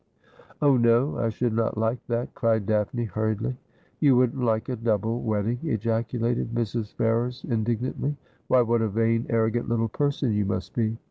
' Oh no ; I should not like that,' cried Daphne hurriedly. 'You wouldn't like a double wedding!' ejaculated Mrs. Ferrers indignantly. ' Why, what a vain, arrogant little person you must be.